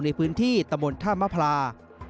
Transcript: ในพื้นที่ตะมนต์ท่ามภรา